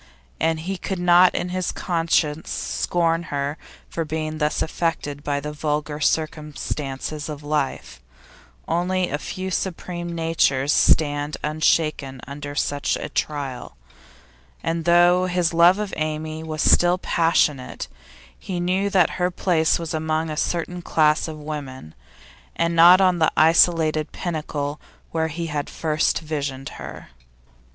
And he could not in his conscience scorn her for being thus affected by the vulgar circumstances of life; only a few supreme natures stand unshaken under such a trial, and though his love of Amy was still passionate, he knew that her place was among a certain class of women, and not on the isolated pinnacle where he had at first visioned her.